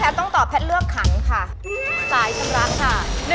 และตอบ๑๖๙เห็นไหมคะ